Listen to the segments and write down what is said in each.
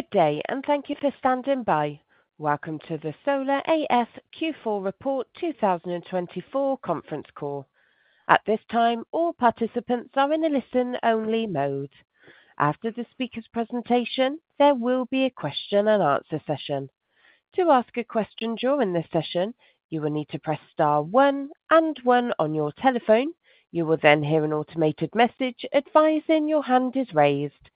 Good day, and thank you for standing by. Welcome to the Solar A/S Q4 Report 2024 conference call. At this time, all participants are in a listen-only mode. After the speaker's presentation, there will be a question-and-answer session. To ask a question during this session, you will need to press star one and one on your telephone. You will then hear an automated message advising your hand is raised.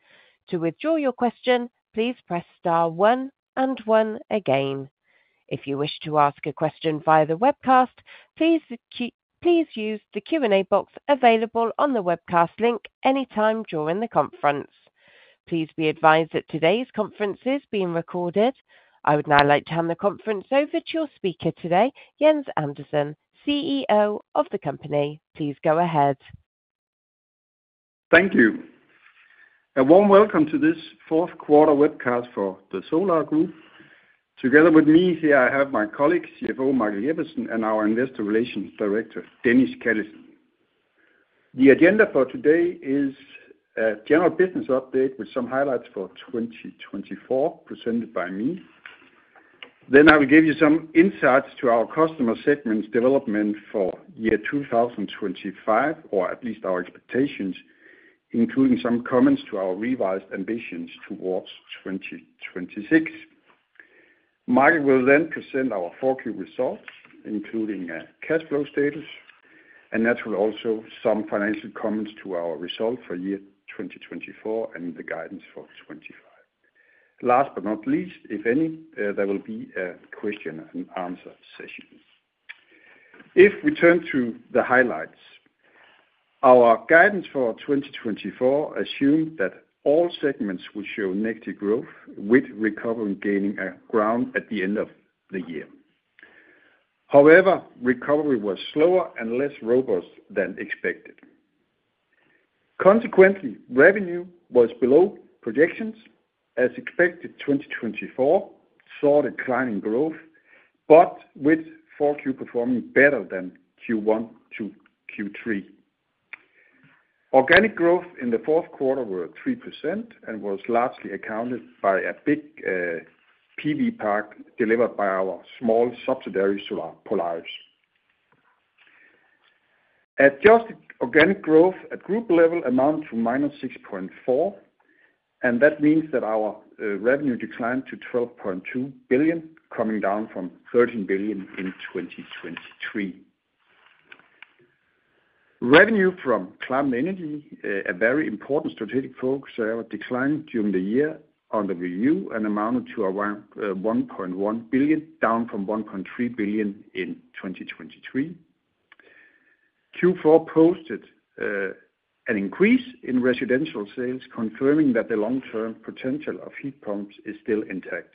To withdraw your question, please press star one and one again. If you wish to ask a question via the webcast, please use the Q&A box available on the webcast link anytime during the conference. Please be advised that today's conference is being recorded. I would now like to hand the conference over to your speaker today, Jens Andersen, CEO of the company. Please go ahead. Thank you. A warm welcome to this fourth quarter webcast for the Solar Group. Together with me here, I have my colleague, CFO Michael Jeppesen, and our Investor Relations Director, Dennis Callesen. The agenda for today is a general business update with some highlights for 2024 presented by me. I will give you some insights to our customer segment's development for year 2025, or at least our expectations, including some comments to our revised ambitions towards 2026. Michael will then present our four key results, including a cash flow status, and that will also include some financial comments to our result for year 2024 and the guidance for 2025. Last but not least, if any, there will be a question-and-answer session. If we turn to the highlights, our guidance for 2024 assumed that all segments would show negative growth, with recovery gaining ground at the end of the year. However, recovery was slower and less robust than expected. Consequently, revenue was below projections, as expected. 2024 saw declining growth, but with 4Q performing better than Q1 to Q3. Organic growth in the fourth quarter was 3% and was largely accounted for by a big PV park delivered by our small subsidiary Solar Polaris. Adjusted organic growth at group level amounts to -6.4%, and that means that our revenue declined to 12.2 billion, coming down from 13 billion in 2023. Revenue from climate energy, a very important strategic focus, declined during the year under review and amounted to around 1.1 billion, down from 1.3 billion in 2023. Q4 posted an increase in residential sales, confirming that the long-term potential of heat pumps is still intact.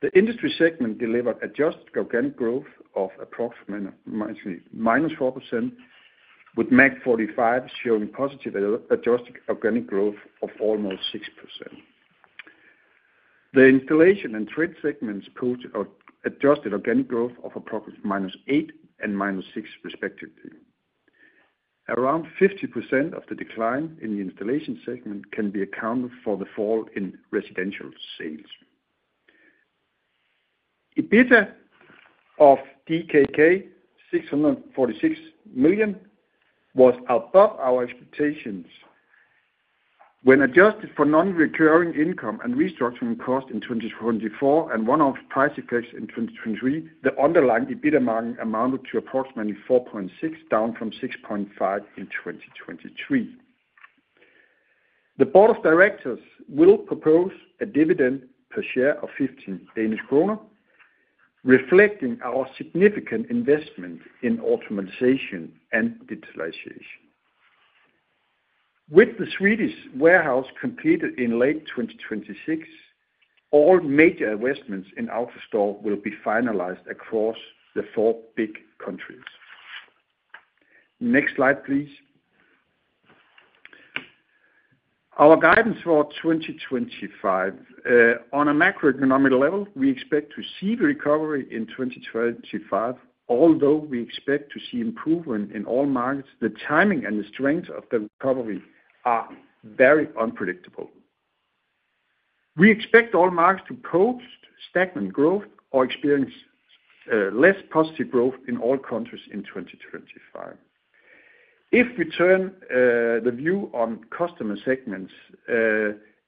The industry segment delivered adjusted organic growth of approximately -4%, with MAG45 showing positive adjusted organic growth of almost 6%. The installation and trade segments posted adjusted organic growth of approximately -8% and -6%, respectively. Around 50% of the decline in the installation segment can be accounted for by the fall in residential sales. EBITDA of DKK 646 million was above our expectations. When adjusted for non-recurring income and restructuring cost in 2024 and one-off price effects in 2023, the underlying EBITDA amounted to approximately 4.6 million, down from 6.5 million in 2023. The board of directors will propose a dividend per share of 15 Danish kroner, reflecting our significant investment in automatization and digitalization. With the Swedish warehouse completed in late 2026, all major investments in outer store will be finalized across the four big countries. Next slide, please. Our guidance for 2025, on a macroeconomic level, we expect to see the recovery in 2025. Although we expect to see improvement in all markets, the timing and the strength of the recovery are very unpredictable. We expect all markets to post stagnant growth or experience less positive growth in all countries in 2025. If we turn the view on customer segments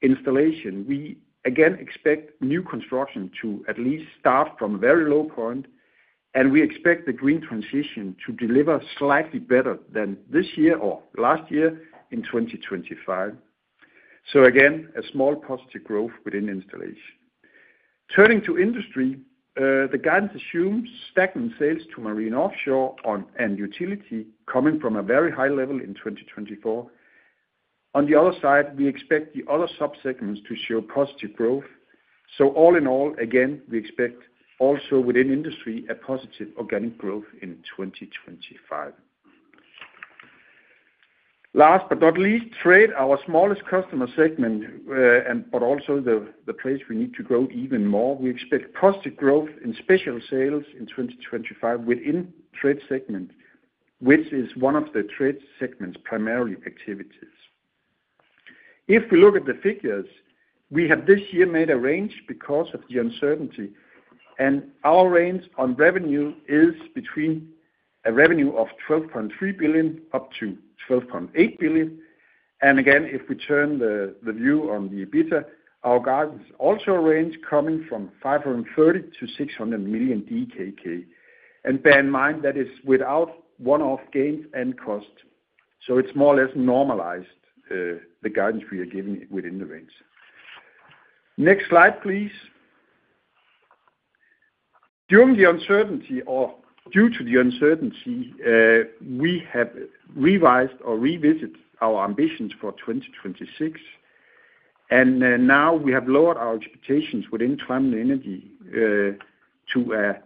installation, we again expect new construction to at least start from a very low point, and we expect the green transition to deliver slightly better than this year or last year in 2025. Again, a small positive growth within installation. Turning to industry, the guidance assumes stagnant sales to marine offshore and utility coming from a very high level in 2024. On the other side, we expect the other subsegments to show positive growth. All in all, again, we expect also within industry a positive organic growth in 2025. Last but not least, trade, our smallest customer segment, but also the place we need to grow even more, we expect positive growth in special sales in 2025 within trade segment, which is one of the trade segment's primary activities. If we look at the figures, we have this year made a range because of the uncertainty, and our range on revenue is between 12.3 billion-12.8 billion. If we turn the view on the EBITDA, our guidance also ranged coming from 530 million-600 million DKK. Bear in mind that is without one-off gains and costs. It is more or less normalized, the guidance we are giving within the range. Next slide, please. During the uncertainty or due to the uncertainty, we have revised or revisited our ambitions for 2026. We have lowered our expectations within climate energy to,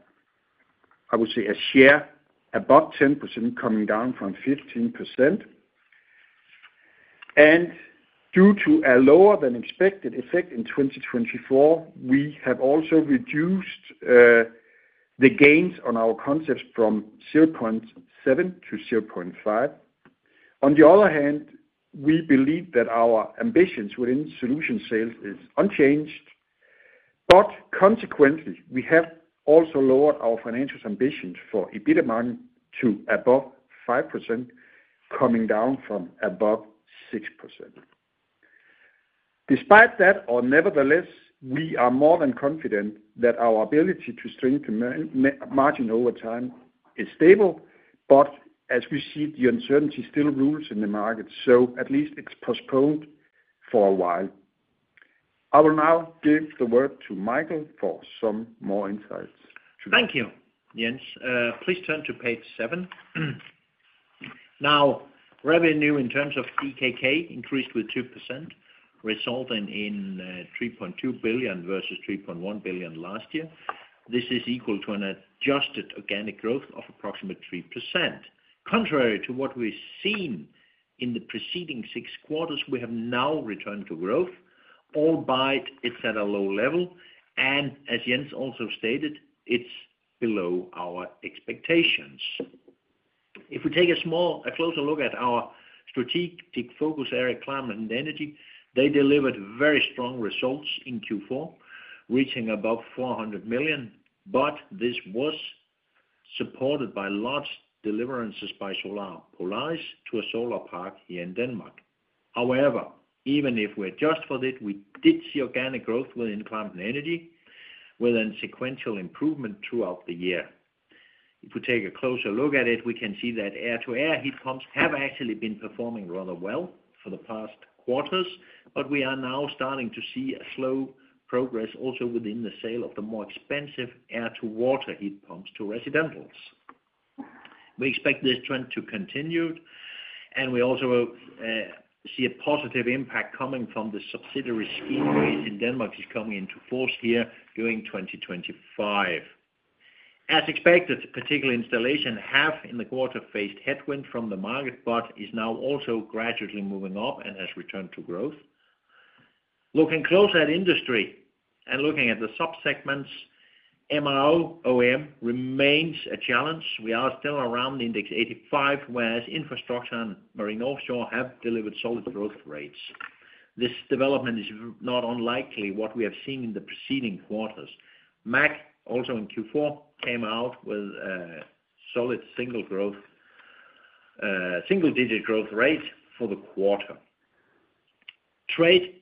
I would say, a share above 10%, coming down from 15%. Due to a lower-than-expected effect in 2024, we have also reduced the gains on our concepts from 0.7 to 0.5. On the other hand, we believe that our ambitions within solution sales are unchanged. Consequently, we have also lowered our financial ambitions for EBITDA margin to above 5%, coming down from above 6%. Nevertheless, we are more than confident that our ability to strengthen margin over time is stable. As we see, the uncertainty still rules in the market, so at least it is postponed for a while. I will now give the word to Michael for some more insights today. Thank you, Jens. Please turn to page seven. Now, revenue in terms of DKK increased with 2%, resulting in 3.2 billion versus 3.1 billion last year. This is equal to an adjusted organic growth of approximately 3%. Contrary to what we've seen in the preceding six quarters, we have now returned to growth, albeit it's at a low level. As Jens also stated, it's below our expectations. If we take a closer look at our strategic focus area, climate and energy, they delivered very strong results in Q4, reaching above 400 million. This was supported by large deliverances by Solar Polaris to a solar park here in Denmark. However, even if we adjust for that, we did see organic growth within climate and energy, with sequential improvement throughout the year. If we take a closer look at it, we can see that air-to-air heat pumps have actually been performing rather well for the past quarters, but we are now starting to see a slow progress also within the sale of the more expensive air-to-water heat pumps to residentials. We expect this trend to continue, and we also see a positive impact coming from the subsidiary scheme in Denmark that is coming into force here during 2025. As expected, particular installation have in the quarter faced headwind from the market, but is now also gradually moving up and has returned to growth. Looking closer at industry and looking at the subsegments, MRO OEM remains a challenge. We are still around index 85, whereas infrastructure and marine offshore have delivered solid growth rates. This development is not unlikely, what we have seen in the preceding quarters. MAC also in Q4 came out with a solid single-digit growth rate for the quarter. Trade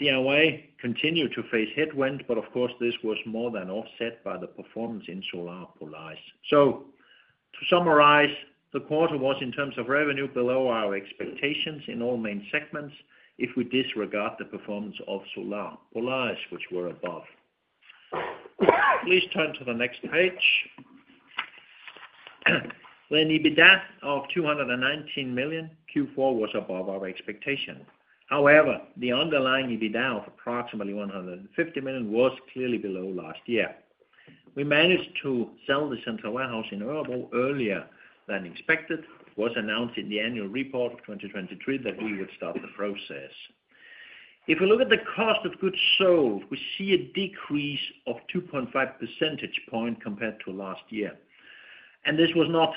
DIY continued to face headwinds, but of course, this was more than offset by the performance in Solar Polaris. To summarize, the quarter was in terms of revenue below our expectations in all main segments if we disregard the performance of Solar Polaris, which were above. Please turn to the next page. The EBITDA of 219 million Q4 was above our expectation. However, the underlying EBITDA of approximately 150 million was clearly below last year. We managed to sell the central warehouse in Örebro earlier than expected, as announced in the annual report of 2023 that we would start the process. If we look at the cost of goods sold, we see a decrease of 2.5 percentage points compared to last year. This was not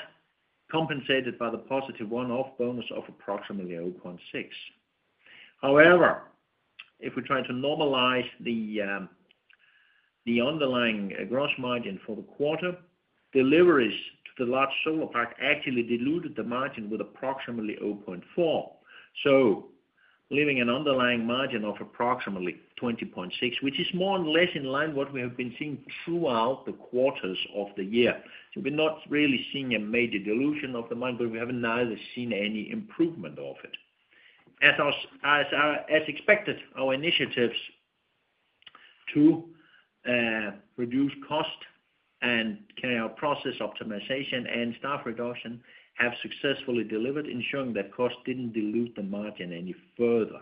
compensated by the positive one-off bonus of approximately 0.6. However, if we try to normalize the underlying gross margin for the quarter, deliveries to the large solar park actually diluted the margin with approximately 0.4. Leaving an underlying margin of approximately 20.6%, which is more or less in line with what we have been seeing throughout the quarters of the year. We are not really seeing a major dilution of the margin, but we have neither seen any improvement of it. As expected, our initiatives to reduce cost and carry out process optimization and staff reduction have successfully delivered, ensuring that cost did not dilute the margin any further.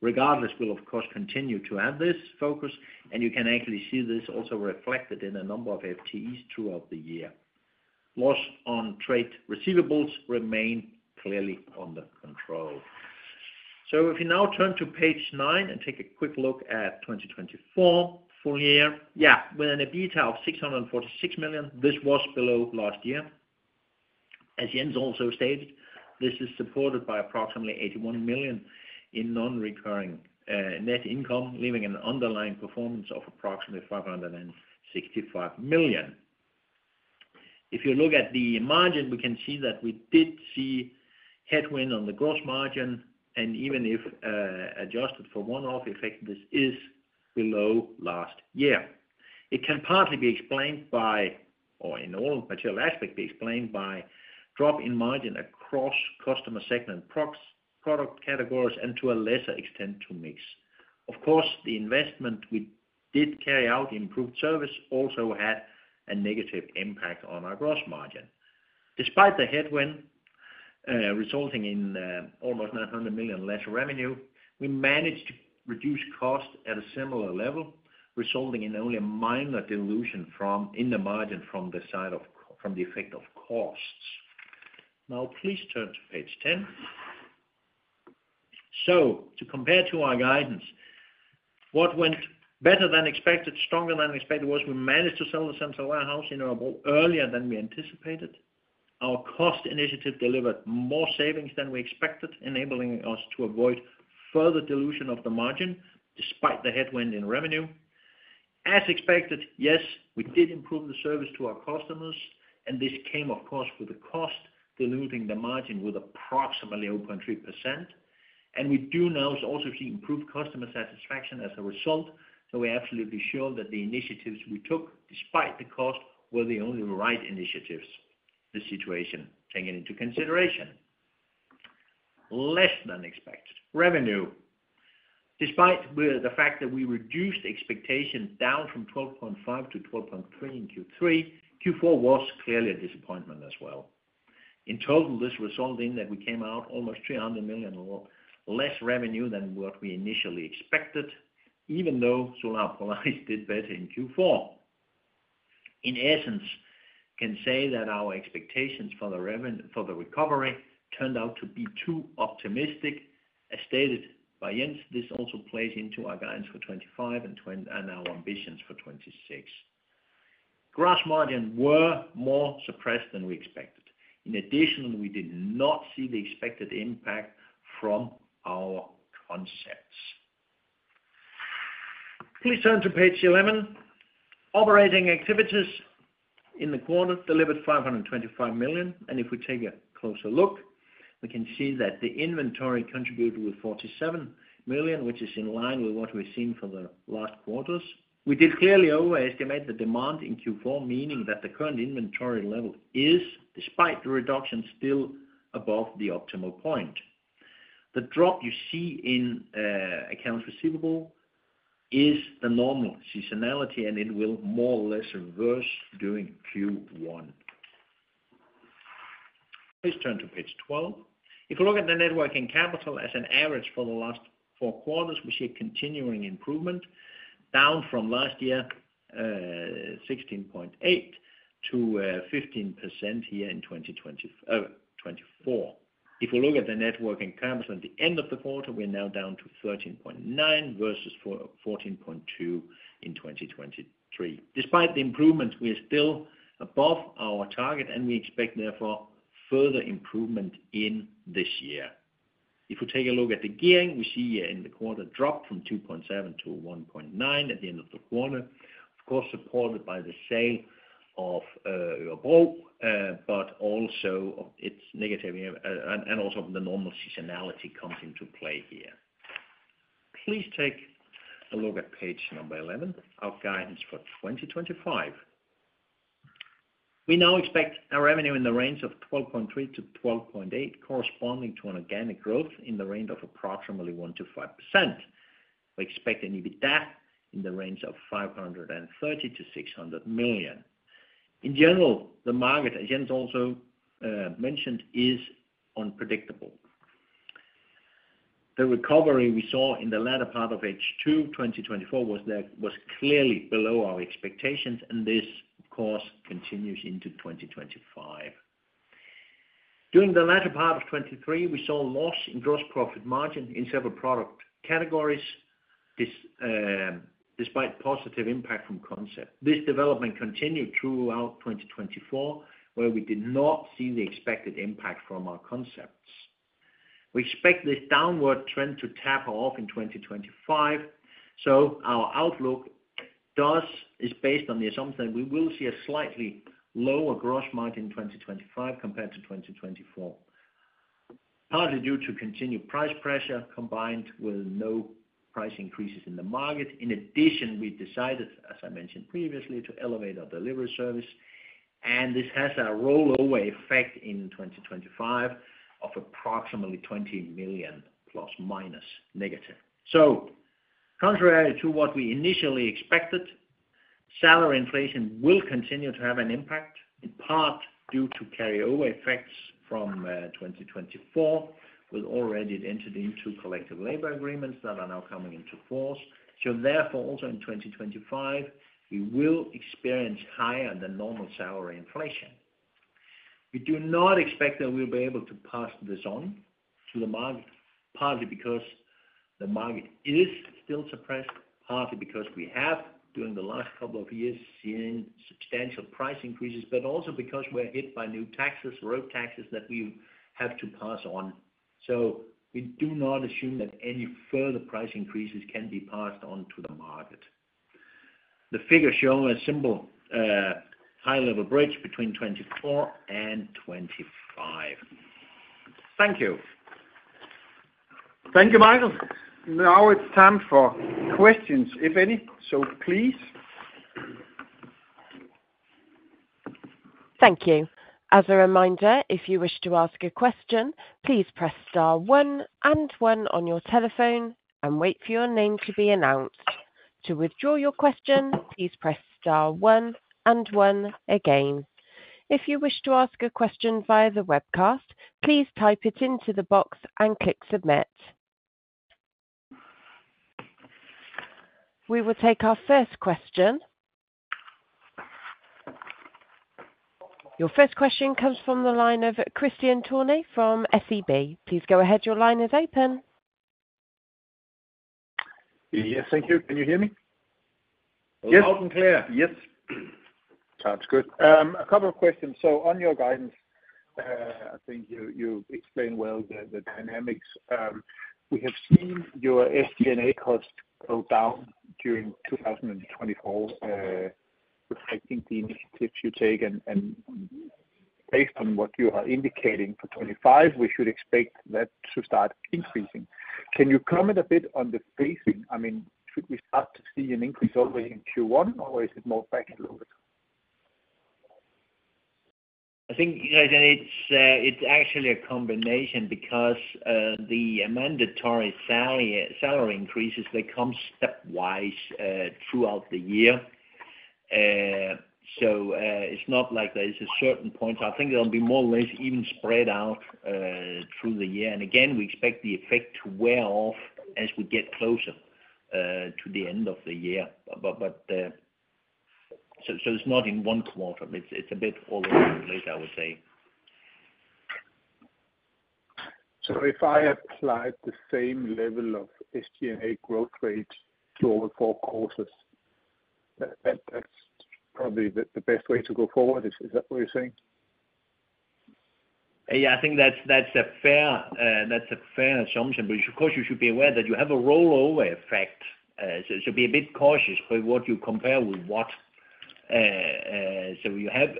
Regardless, we will, of course, continue to have this focus, and you can actually see this also reflected in the number of FTEs throughout the year. Loss on trade receivables remains clearly under control. If we now turn to page nine and take a quick look at 2024 full year, yeah, with an EBITDA of 646 million, this was below last year. As Jens also stated, this is supported by approximately 81 million in non-recurring net income, leaving an underlying performance of approximately 565 million. If you look at the margin, we can see that we did see headwind on the gross margin, and even if adjusted for one-off effect, this is below last year. It can partly be explained by, or in all material aspects, be explained by drop in margin across customer segment product categories and to a lesser extent to mix. Of course, the investment we did carry out, improved service, also had a negative impact on our gross margin. Despite the headwind resulting in almost 900 million less revenue, we managed to reduce cost at a similar level, resulting in only a minor dilution in the margin from the side of the effect of costs. Now, please turn to page 10. To compare to our guidance, what went better than expected, stronger than expected, was we managed to sell the central warehouse in Örebro earlier than we anticipated. Our cost initiative delivered more savings than we expected, enabling us to avoid further dilution of the margin despite the headwind in revenue. As expected, yes, we did improve the service to our customers, and this came, of course, with the cost, diluting the margin with approximately 0.3%. We do now also see improved customer satisfaction as a result. We're absolutely sure that the initiatives we took, despite the cost, were the only right initiatives, the situation taken into consideration. Less than expected. Revenue. Despite the fact that we reduced expectations down from 12.5 billion to 12.3 billion in Q3, Q4 was clearly a disappointment as well. In total, this resulted in that we came out almost 300 million less revenue than what we initially expected, even though Solar Polaris did better in Q4. In essence, we can say that our expectations for the recovery turned out to be too optimistic, as stated by Jens. This also plays into our guidance for 2025 and our ambitions for 2026. Gross margin were more suppressed than we expected. In addition, we did not see the expected impact from our concepts. Please turn to page 11. Operating activities in the quarter delivered 525 million. If we take a closer look, we can see that the inventory contributed with 47 million, which is in line with what we've seen for the last quarters. We did clearly overestimate the demand in Q4, meaning that the current inventory level is, despite the reduction, still above the optimal point. The drop you see in accounts receivable is the normal seasonality, and it will more or less reverse during Q1. Please turn to page 12. If we look at the net working capital as an average for the last four quarters, we see a continuing improvement down from last year, 16.8%, to 15% here in 2024. If we look at the net working capital at the end of the quarter, we're now down to 13.9% versus 14.2% in 2023. Despite the improvement, we are still above our target, and we expect therefore further improvement in this year. If we take a look at the gearing, we see here in the quarter drop from 2.7 to 1.9 at the end of the quarter, of course, supported by the sale of Örebro, but also its negative and also the normal seasonality comes into play here. Please take a look at page number 11, our guidance for 2025. We now expect our revenue in the range of 12.3 billion-12.8 billion, corresponding to an organic growth in the range of approximately 1%-5%. We expect an EBITDA in the range of 530 million-600 million. In general, the market, as Jens also mentioned, is unpredictable. The recovery we saw in the latter part of H2 2024 was clearly below our expectations, and this, of course, continues into 2025. During the latter part of 2023, we saw loss in gross profit margin in several product categories, despite positive impact from concepts. This development continued throughout 2024, where we did not see the expected impact from our concepts. We expect this downward trend to tap off in 2025. Our outlook is based on the assumption that we will see a slightly lower gross margin in 2025 compared to 2024, partly due to continued price pressure combined with no price increases in the market. In addition, we decided, as I mentioned previously, to elevate our delivery service, and this has a rollover effect in 2025 of approximately 20 million plus minus negative. Contrary to what we initially expected, salary inflation will continue to have an impact, in part due to carryover effects from 2024. We have already entered into collective labor agreements that are now coming into force. Therefore, also in 2025, we will experience higher than normal salary inflation. We do not expect that we'll be able to pass this on to the market, partly because the market is still suppressed, partly because we have, during the last couple of years, seen substantial price increases, but also because we're hit by new taxes, road taxes that we have to pass on. We do not assume that any further price increases can be passed on to the market. The figure shown is a simple high-level bridge between 2024 and 2025. Thank you. Thank you, Michael. Now it's time for questions, if any. Please. Thank you. As a reminder, if you wish to ask a question, please press star one and one on your telephone and wait for your name to be announced. To withdraw your question, please press star one and one again. If you wish to ask a question via the webcast, please type it into the box and click submit. We will take our first question. Your first question comes from the line of Christian Thuuny from SEB. Please go ahead. Your line is open. Yes, thank you. Can you hear me? Yes. Loud and clear. Yes. Sounds good. A couple of questions. On your guidance, I think you explain well the dynamics. We have seen your SG&A costs go down during 2024, reflecting the initiatives you take. Based on what you are indicating for 2025, we should expect that to start increasing. Can you comment a bit on the phasing? I mean, should we start to see an increase already in Q1, or is it more fractional? I think it's actually a combination because the mandatory salary increases, they come stepwise throughout the year. It's not like there is a certain point. I think it'll be more or less even spread out through the year. Again, we expect the effect to wear off as we get closer to the end of the year. It's not in one quarter. It's a bit all over the place, I would say. If I applied the same level of SG&A growth rate to all four quarters, that's probably the best way to go forward. Is that what you're saying? Yeah, I think that's a fair assumption. Of course, you should be aware that you have a rollover effect. Be a bit cautious with what you compare with what. You have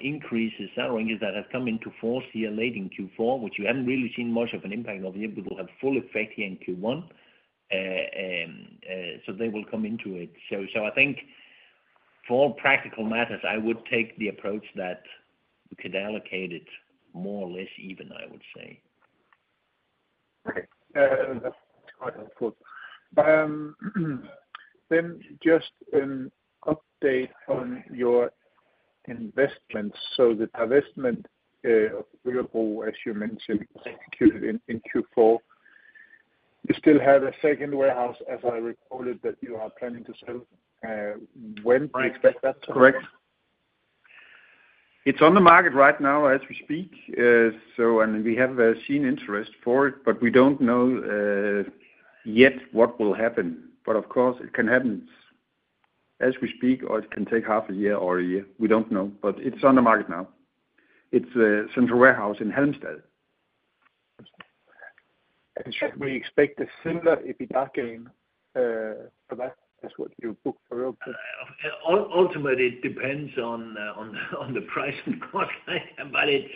increases in salary increases that have come into force here late in Q4, which you haven't really seen much of an impact of yet. We will have full effect here in Q1. They will come into it. I think for all practical matters, I would take the approach that we could allocate it more or less even, I would say. Okay. That's quite helpful. Just an update on your investments. The investment of Örebro, as you mentioned, executed in Q4. You still have a second warehouse, as I recorded, that you are planning to sell. When do you expect that to happen? Correct. It's on the market right now as we speak. We have seen interest for it, but we don't know yet what will happen. Of course, it can happen as we speak, or it can take half a year or a year. We don't know. It's on the market now. It's a central warehouse in Halmstad. Should we expect a similar EBITDA gain for that? That's what you booked for Örebro. Ultimately, it depends on the price and cost. It's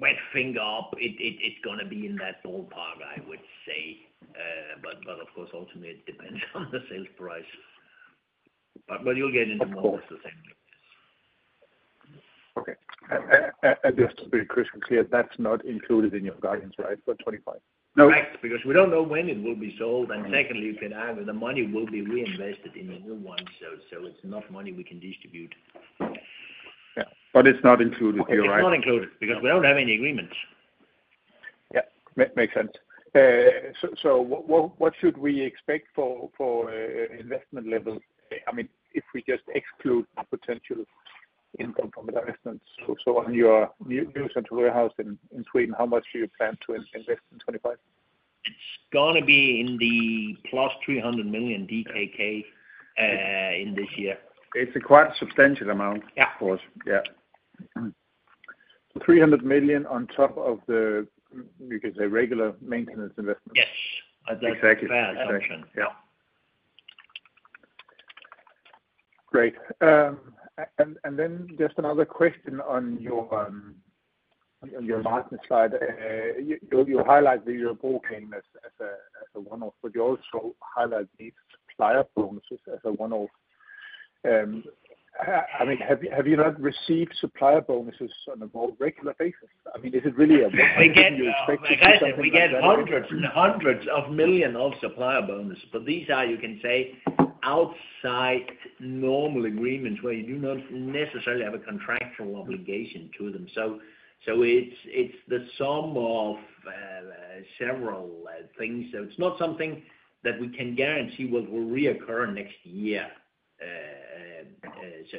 wet finger up. It's going to be in that ballpark, I would say. Of course, ultimately, it depends on the sales price. You'll get into more or less the same numbers. Okay. Just to be crystal clear, that's not included in your guidance, right, for 2025? Correct. Because we don't know when it will be sold. Secondly, you can argue the money will be reinvested in the new one. It's not money we can distribute. Yeah. It is not included, you're right. It's not included because we don't have any agreements. Yeah. Makes sense. What should we expect for investment level? I mean, if we just exclude the potential income from investments. On your new central warehouse in Sweden, how much do you plan to invest in 2025? It's going to be in the plus 300 million DKK in this year. It's a quite substantial amount, of course. Yeah. 300 million on top of the, you can say, regular maintenance investment. Yes. That's fair. Exactly. Yeah. Great. Just another question on your marketing slide. You highlighted the Örebro came as a one-off, but you also highlighted the supplier bonuses as a one-off. I mean, have you not received supplier bonuses on a more regular basis? I mean, is it really a one-off that you expect to see something like that? We get hundreds and hundreds of millions of supplier bonuses. These are, you can say, outside normal agreements where you do not necessarily have a contractual obligation to them. It is the sum of several things. It is not something that we can guarantee will reoccur next year.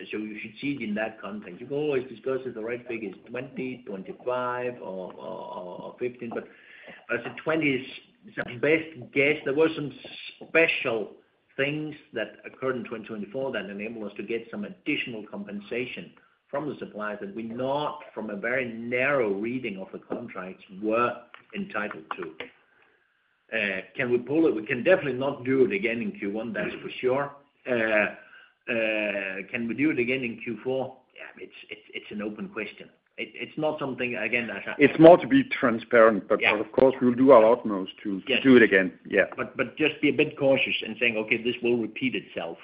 You should see it in that context. You can always discuss if the right figure is 20, 25, or 15. I would say 20 is the best guess. There were some special things that occurred in 2024 that enabled us to get some additional compensation from the suppliers that we not, from a very narrow reading of the contracts, were entitled to. Can we pull it? We can definitely not do it again in Q1. That is for sure. Can we do it again in Q4? Yeah, it is an open question. It is not something, again. It's more to be transparent. Of course, we'll do our utmost to do it again. Yeah. Just be a bit cautious in saying, "Okay, this will repeat itself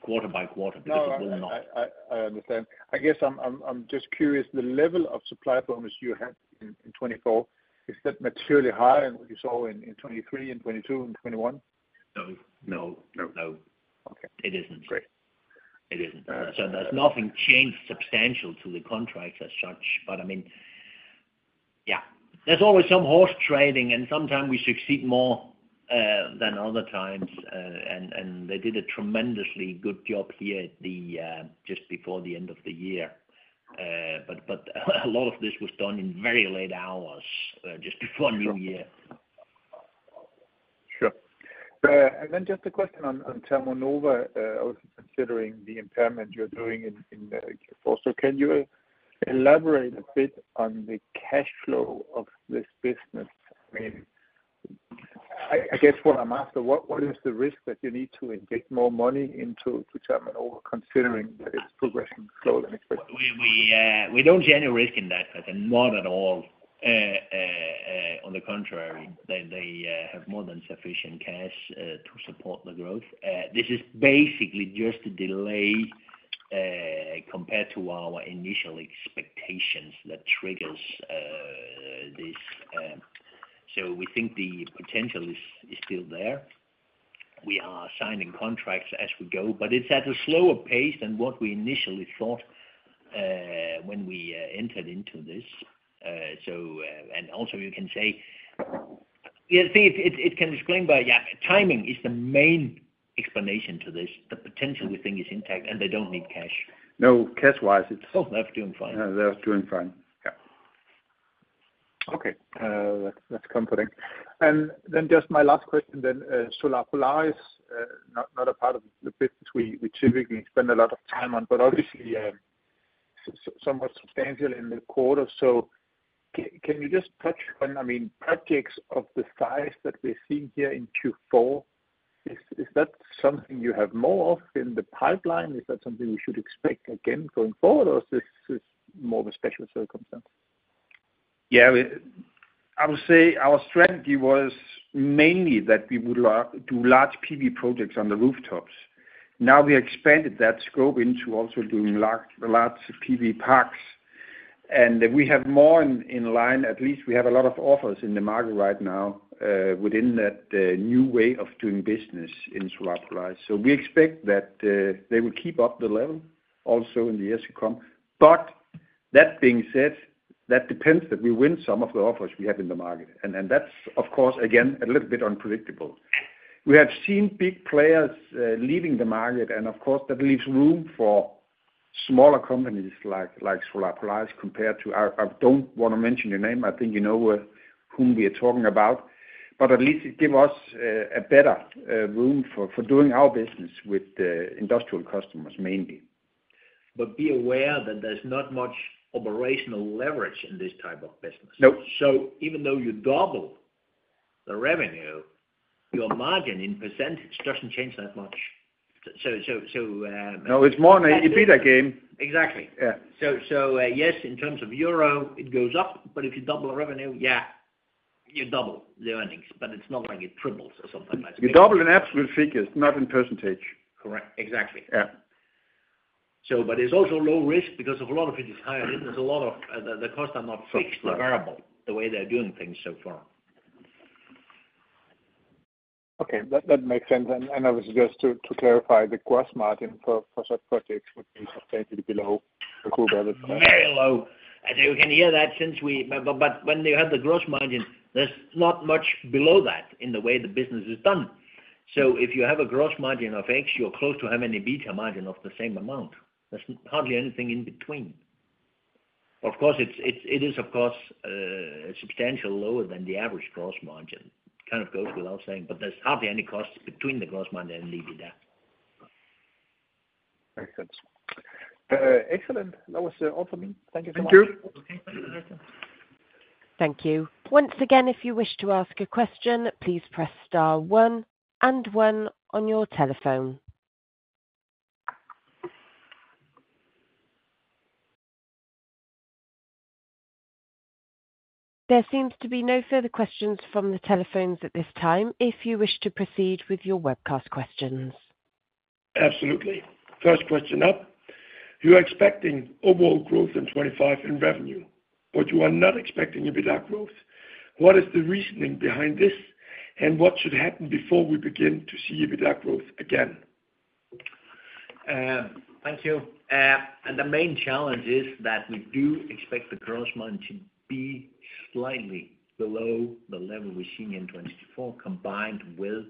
quarter by quarter," because it will not. I understand. I guess I'm just curious. The level of supply bonus you had in 2024, is that materially higher than what you saw in 2023 and 2022 and 2021? No. No. It isn't. It isn't. There's nothing changed substantial to the contracts as such. I mean, yeah, there's always some horse trading, and sometimes we succeed more than other times. They did a tremendously good job here just before the end of the year. A lot of this was done in very late hours, just before New Year. Sure. Just a question on Thermonova. I was considering the impairment you're doing in Q4. Can you elaborate a bit on the cash flow of this business? I mean, I guess what I'm after, what is the risk that you need to inject more money into Thermonova, considering that it's progressing slowly? We do not see any risk in that. Not at all. On the contrary, they have more than sufficient cash to support the growth. This is basically just a delay compared to our initial expectations that triggers this. We think the potential is still there. We are signing contracts as we go, but it is at a slower pace than what we initially thought when we entered into this. You can say, yeah, I think it can explain, but yeah, timing is the main explanation to this. The potential we think is intact, and they do not need cash. No, cash-wise, it's. Oh, they're doing fine. They're doing fine. Yeah. Okay. That's comforting. Just my last question then. Solar Polaris is not a part of the business we typically spend a lot of time on, but obviously somewhat substantial in the quarter. Can you just touch on, I mean, projects of the size that we're seeing here in Q4? Is that something you have more of in the pipeline? Is that something we should expect again going forward, or is this more of a special circumstance? Yeah. I would say our strategy was mainly that we would do large PV projects on the rooftops. Now we expanded that scope into also doing large PV parks. We have more in line. At least we have a lot of offers in the market right now within that new way of doing business in Solar Polaris. We expect that they will keep up the level also in the years to come. That being said, that depends that we win some of the offers we have in the market. That's, of course, again, a little bit unpredictable. We have seen big players leaving the market, and of course, that leaves room for smaller companies like Solar Polaris compared to I don't want to mention your name. I think you know whom we are talking about. At least it gives us a better room for doing our business with industrial customers, mainly. Be aware that there's not much operational leverage in this type of business. Even though you double the revenue, your margin in percentage doesn't change that much. No, it's more on a EBITDA game. Exactly. Yes, in terms of euro, it goes up. If you double the revenue, you double the earnings. It is not like it triples or something like that. You double in absolute figures, not in percentage. Correct. Exactly. It is also low risk because a lot of it is higher. A lot of the costs are not fixed. They are variable the way they are doing things so far. Okay. That makes sense. I would suggest to clarify the gross margin for such projects would be substantially below Örebro's average. Very low. You can hear that since we, but when you have the gross margin, there's not much below that in the way the business is done. If you have a gross margin of X, you're close to having an EBITDA margin of the same amount. There's hardly anything in between. Of course, it is, of course, substantially lower than the average gross margin. It kind of goes without saying. There's hardly any costs between the gross margin and EBITDA. Makes sense. Excellent. That was all for me. Thank you so much. Thank you. Thank you. Once again, if you wish to ask a question, please press star one and one on your telephone. There seems to be no further questions from the telephones at this time. If you wish to proceed with your webcast questions. Absolutely. First question up. You are expecting overall growth in 2025 in revenue, but you are not expecting EBITDA growth. What is the reasoning behind this, and what should happen before we begin to see EBITDA growth again? Thank you. The main challenge is that we do expect the gross margin to be slightly below the level we are seeing in 2024, combined with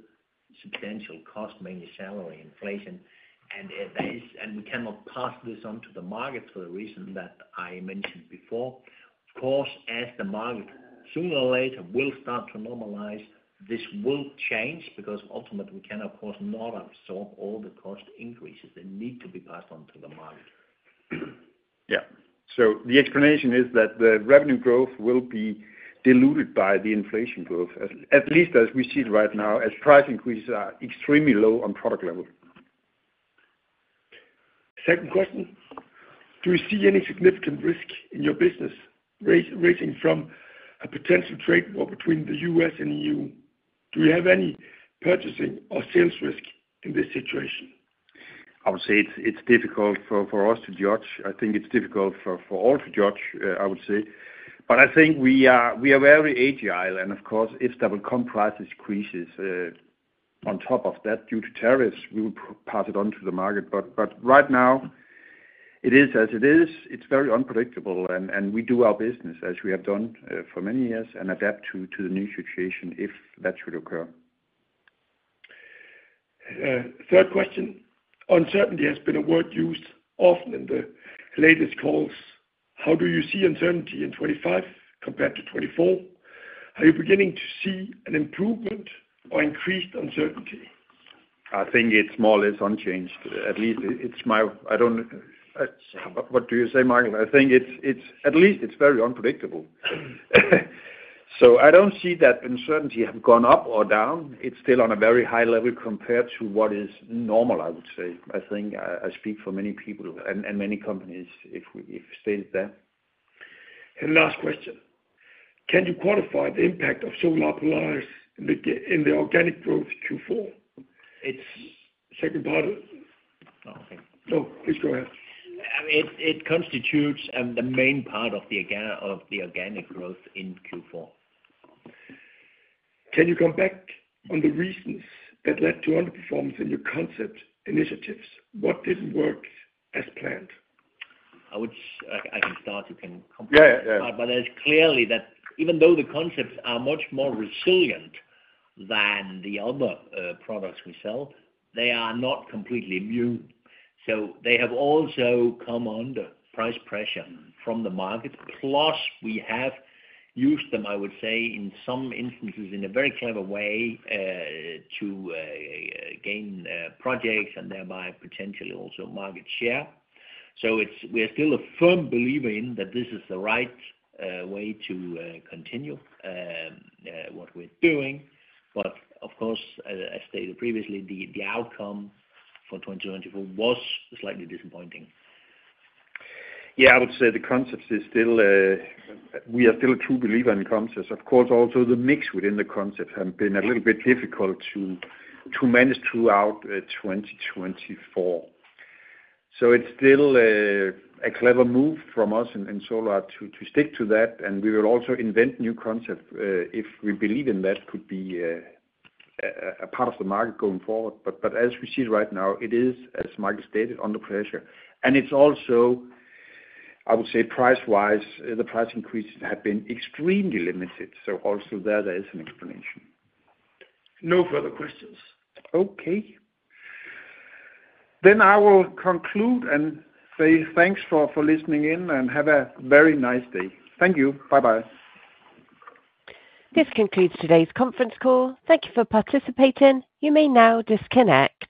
substantial cost, mainly salary inflation. We cannot pass this on to the market for the reason that I mentioned before. Of course, as the market sooner or later will start to normalize, this will change because ultimately we can, of course, not absorb all the cost increases that need to be passed on to the market. Yeah. The explanation is that the revenue growth will be diluted by the inflation growth, at least as we see it right now, as price increases are extremely low on product level. Second question. Do you see any significant risk in your business ranging from a potential trade war between the U.S. and EU? Do you have any purchasing or sales risk in this situation? I would say it's difficult for us to judge. I think it's difficult for all to judge, I would say. I think we are very agile. Of course, if double-comprise increases on top of that due to tariffs, we will pass it on to the market. Right now, it is as it is. It's very unpredictable. We do our business as we have done for many years and adapt to the new situation if that should occur. Third question. Uncertainty has been a word used often in the latest calls. How do you see uncertainty in 2025 compared to 2024? Are you beginning to see an improvement or increased uncertainty? I think it's more or less unchanged. At least it's my—what do you say, Michael? I think at least it's very unpredictable. I don't see that uncertainty has gone up or down. It's still on a very high level compared to what is normal, I would say. I think I speak for many people and many companies if stated that. Last question. Can you quantify the impact of Solar Polaris' organic growth Q4? It's the second part. No, please go ahead. It constitutes the main part of the organic growth in Q4. Can you come back on the reasons that led to underperformance in your concept initiatives? What did not work as planned? I can start. You can completely start. There is clearly that even though the concepts are much more resilient than the other products we sell, they are not completely immune. They have also come under price pressure from the market. Plus, we have used them, I would say, in some instances in a very clever way to gain projects and thereby potentially also market share. We are still a firm believer in that this is the right way to continue what we are doing. Of course, as stated previously, the outcome for 2024 was slightly disappointing. Yeah, I would say the concepts are still—we are still a true believer in concepts. Of course, also the mix within the concepts has been a little bit difficult to manage throughout 2024. It is still a clever move from us and Solar to stick to that. We will also invent new concepts if we believe that could be a part of the market going forward. As we see it right now, it is, as Michael stated, under pressure. It is also, I would say, price-wise, the price increases have been extremely limited. There is an explanation. No further questions. Okay. I will conclude and say thanks for listening in and have a very nice day. Thank you. Bye-bye. This concludes today's conference call. Thank you for participating. You may now disconnect.